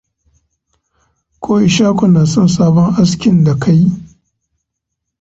Ko Ishaku na son sabon askin da ka yi?